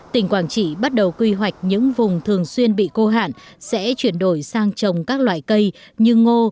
tỉnh quảng trị bắt đầu quy hoạch những vùng thường xuyên bị khô hạn sẽ chuyển đổi sang trồng các loại cây như ngô